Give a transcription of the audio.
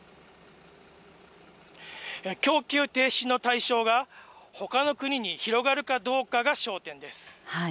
供給停止の対象がほかの国に広がるかどうかが焦点です。